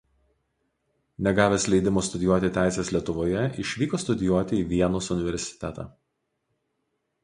Negavęs leidimo studijuoti teisės Lietuvoje išvyko studijuoti į Vienos universitetą.